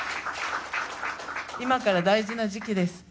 今から大事な時期です。